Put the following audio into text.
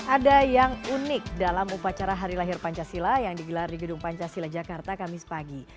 ada yang unik dalam upacara hari lahir pancasila yang digelar di gedung pancasila jakarta kamis pagi